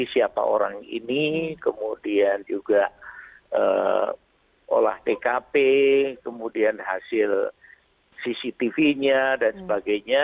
siapa orang ini kemudian juga olah tkp kemudian hasil cctv nya dan sebagainya